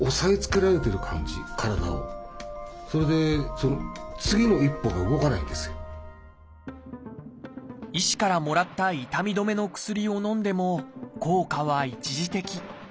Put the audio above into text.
その医師からもらった痛み止めの薬をのんでも効果は一時的。